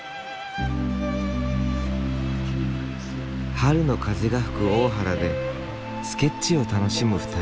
春の風が吹く大原でスケッチを楽しむ２人。